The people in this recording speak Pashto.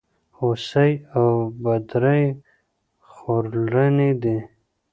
هوسۍ او بدرۍ خورلڼي دي.